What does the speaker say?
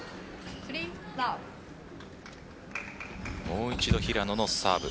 もう一度、平野のサーブ。